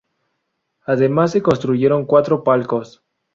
Además se construyeron cuatro palcos.